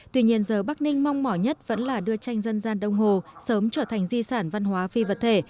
tuy nhiên giờ bắc ninh mong mỏi nhất vẫn là đưa tranh dân gian đông hồ sớm trở thành di sản văn hóa phi vật thể